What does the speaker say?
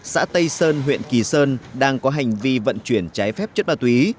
xã tây sơn huyện kỳ sơn đang có hành vi vận chuyển trái phép chất ma túy